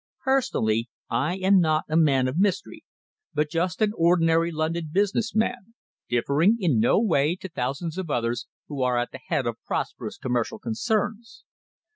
Personally, I am not a man of mystery, but just an ordinary London business man, differing in no way to thousands of others who are at the head of prosperous commercial concerns.